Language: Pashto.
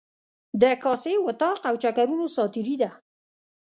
د کاسې، وطاق او چکرونو ساعتیري ده.